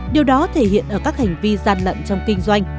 điều đó thể hiện ở các hành vi gian lận trong kinh doanh